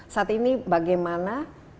saat ini bagaimana